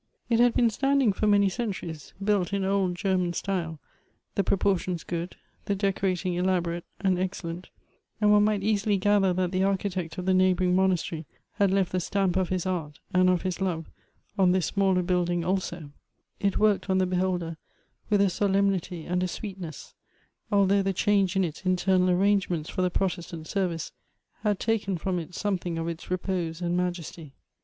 It had been standing for many centuries, built in old German style, the proportions good, the decorating elabo rate and excellent ; and one might easily gather that the architect of the neighboring monastery had left the stamp of his art and of his love on this smaller building also ; it worked on the beholder with a solemnity and a sweetness, although the change in its internal arrangements for the Protestant service, had taken from it something of its re r)Ose and majesty.